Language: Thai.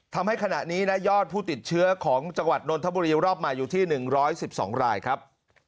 ทำให้ขณะนี้นะยอดผู้ติดเชื้อของจังหวัดนนทบุรีรอบใหม่อยู่ที่๑๑๒รายครับ